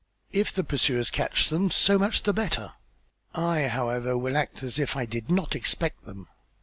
If the pursuers capture them, so much the better. I, however, will act as if I did not expect them."